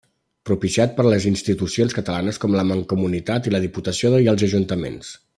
Propiciat per les institucions catalanes com la Mancomunitat, la Diputació i els Ajuntaments.